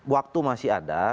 waktu masih ada